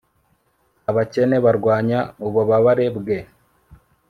abakene barwanya ububabare bwe